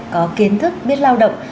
có kiến thức biết lao động